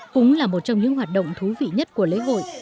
cũng là một trong những hoạt động thú vị nhất của lễ hội